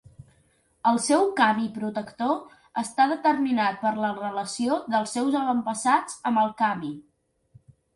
El seu kami protector està determinat per la relació dels seus avantpassats amb el kami.